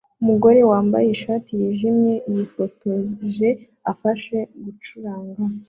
Umugore wambaye ishati yijimye yifotoje afashe gucuranga